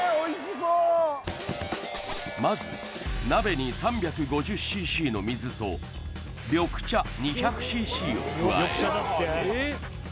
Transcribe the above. まず鍋に３５０ｃｃの水と緑茶２００ｃｃを加えるええ